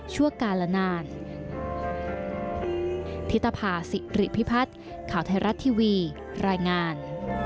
ชั่วการและนาน